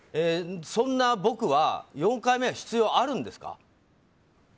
そんな僕は４回目は必要あるんですか？